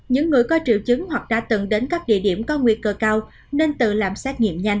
những người có triệu chứng hoặc đã từng đến các địa điểm có nguy cơ cao nên tự làm xét nghiệm nhanh